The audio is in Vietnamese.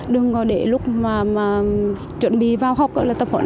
đừng để lúc mà chuẩn bị vào học tập hợp